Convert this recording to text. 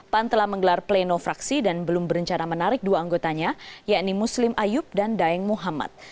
pan telah menggelar pleno fraksi dan belum berencana menarik dua anggotanya yakni muslim ayub dan daeng muhammad